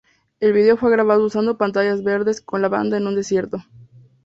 El vídeo fue grabado usando pantallas verdes, con la banda en un desierto.